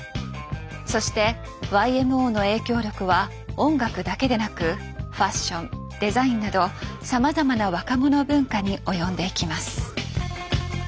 そしてＹＭＯの影響力は音楽だけでなくファッションデザインなどさまざまな若者文化に及んでいきます。